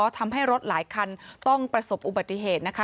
ทำให้รถหลายคันต้องประสบอุบัติเหตุนะคะ